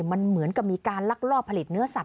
มันเหมือนกับมีการลักลอบผลิตเนื้อสัต